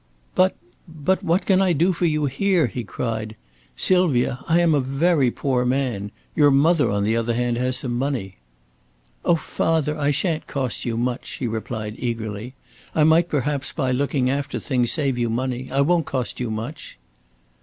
"But but what can I do for you here?" he cried. "Sylvia, I am a very poor man. Your mother, on the other hand, has some money." "Oh, father, I shan't cost you much," she replied, eagerly. "I might perhaps by looking after things save you money. I won't cost you much."